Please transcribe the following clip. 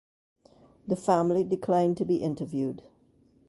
The family declined to be interviewed.